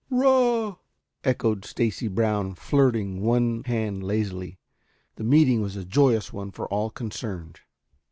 "Rah!" echoed Stacy Brown, flirting one hand lazily. The meeting was a joyous one for all concerned.